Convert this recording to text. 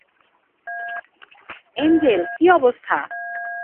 Angel, কী অবস্থা?